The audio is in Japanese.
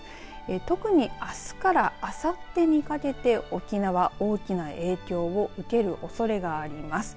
特にあすからあさってにかけて沖縄、大きな影響を受けるおそれがあります。